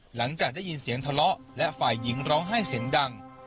หลังจากได้ยินเสียงทะเลาะและฝ่ายหญิงร้องไห้เสียงดัง